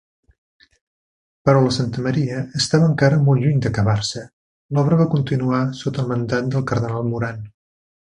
Però la Santa Maria estava encara molt lluny d'acabar-se, l'obra va continuar sota el mandat del cardenal Moran.